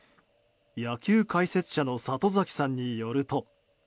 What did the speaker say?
野球解説者の里崎さんによると。